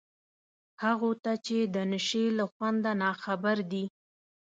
هغو ته چي د نشې له خونده ناخبر دي